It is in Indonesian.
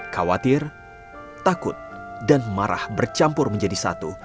khawatir takut dan marah bercampur menjadi satu